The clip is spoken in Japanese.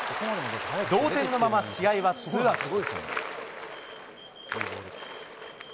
同点のまま試合はツーアウト。